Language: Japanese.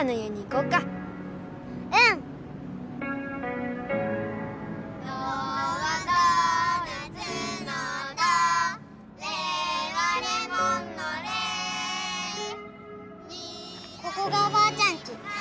ここがおばあちゃんち。